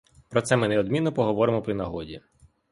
Про це ми неодмінно поговоримо при нагоді.